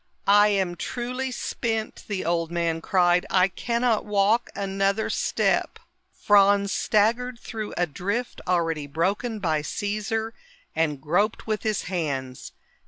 "I am truly spent!" the old man cried. "I cannot walk another step." Franz staggered through a drift already broken by Caesar and groped with his hands.